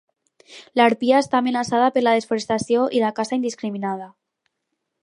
L'harpia està amenaçada per la desforestació i la caça indiscriminada.